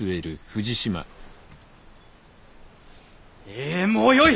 ええいもうよい！